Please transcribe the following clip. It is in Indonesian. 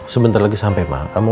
sebentar lagi sampai ma